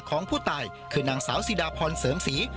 ของผู้ตายคือนางสาวสิดาพรเสริมศรี